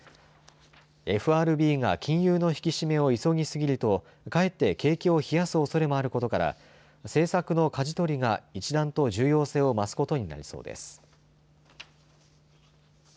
ＦＲＢが金融の引き締めを急ぎすぎるとかえって景気を冷やすおそれもあることから政策のかじ取りが一段と重要性を増すことになりそうです。